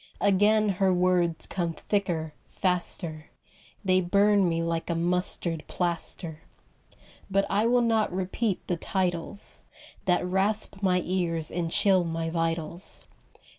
Again her words come thicker, faster, They burn me like a mustard plaster. But I will not repeat the titles That rasp my ears and chill my vitals.